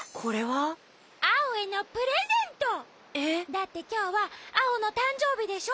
だってきょうはアオのたんじょうびでしょ？